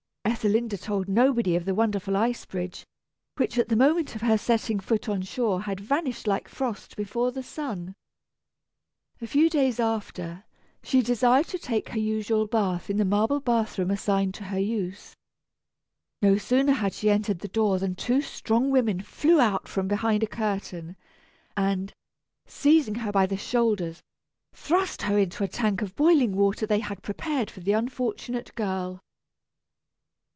Ethelinda told nobody of the wonderful ice bridge, which at the moment of her setting foot on shore had vanished like frost before the sun. A few days after, she desired to take her usual bath in the marble bath room assigned to her use. No sooner had she entered the door than two strong women flew out from behind a curtain, and, seizing her by the shoulders, thrust her into a tank of boiling water they had prepared for the unfortunate girl.